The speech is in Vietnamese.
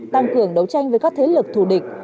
tăng cường đấu tranh với các thế lực thù địch